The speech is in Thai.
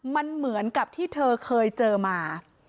มันเหมือนกับที่เธอเคยเจอมา